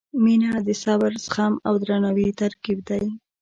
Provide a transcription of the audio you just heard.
• مینه د صبر، زغم او درناوي ترکیب دی.